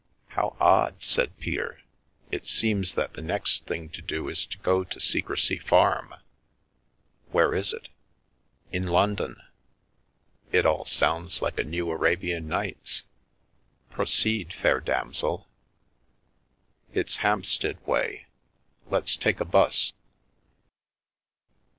" How odd !" said Peter. " It seems that the next thing to do is to go to Secrecy Farm. Where is it?" " In London." " It all sounds like a ' New Arabian Nights/ Proceed, fair damsel." " It's Hampstead way. Let's take a This."